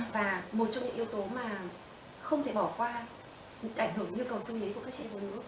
và một trong những yếu tố mà không thể bỏ qua ảnh hưởng yêu cầu suy nghĩ của các chị em của group